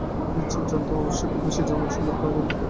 নিশ্চিত জানতুম আবশ্যকের বেশি জামা ছিল তোমার বাক্সে।